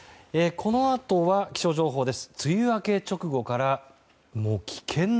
このあとは気象情報です。